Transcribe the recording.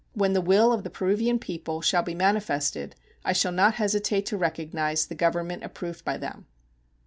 When the will of the Peruvian people shall be manifested, I shall not hesitate to recognize the government approved by them.